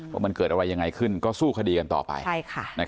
ว่ามันเกิดอะไรยังไงขึ้นก็สู้คดีกันต่อไป